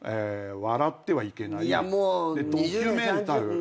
「笑ってはいけない」で『ドキュメンタル』